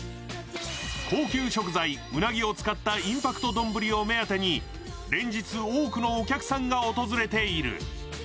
高級食材うなぎを使ったインパクト丼を目当てに連日多くのお客さんが訪れている。